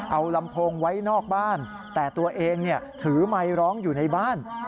เอาลำโพงไว้นอกบ้านแต่ตัวเองถือไมค์ร้องอยู่ในบ้าน